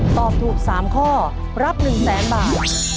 ตอบถูก๓ข้อรับ๑๐๐๐๐๐บาท